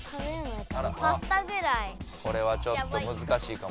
これはちょっとむずかしいかも。